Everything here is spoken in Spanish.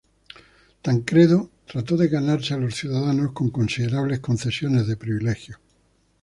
Tancredo trató de ganarse a las ciudades con considerables concesiones de privilegios.